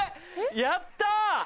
やった！